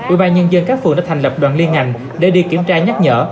ủy ban nhân dân các phường đã thành lập đoàn liên ngành để đi kiểm tra nhắc nhở